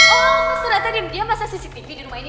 oh sudah tadi dia masak cctv di rumah ini